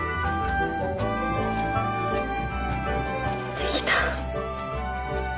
できた！